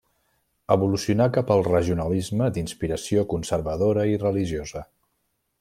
Evolucionà cap al regionalisme d'inspiració conservadora i religiosa.